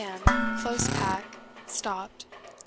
M. close pack, stopped.